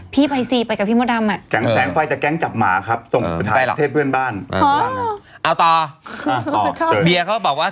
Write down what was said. พี่ไปซิไปกับพี่มดำ